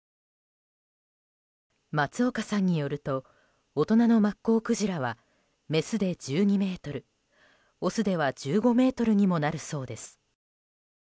松岡さんによると大人のマッコウクジラはメスで１２ｍ、オスでは１５ｍにもなるそうです。